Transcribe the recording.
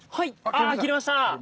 あ切れました！